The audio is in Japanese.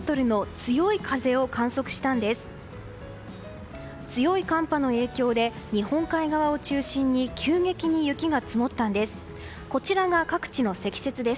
強い寒波の影響で日本海側を中心に急激に雪が積もったんです。